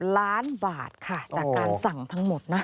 ล้านบาทค่ะจากการสั่งทั้งหมดนะ